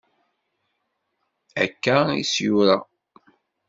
Akka is-yura.